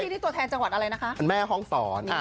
นี่ตัวแทนจังหวัดอะไรนะคะแม่ห้องศร